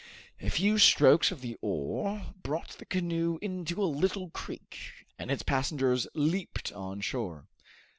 A few strokes of the oar brought the canoe into a little creek, and its passengers leaped on shore.